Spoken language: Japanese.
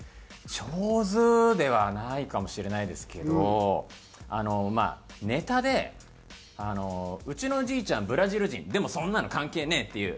上手ではないかもしれないですけどあのまあネタで「うちのじいちゃんブラジル人でもそんなの関係ねえ！」っていう。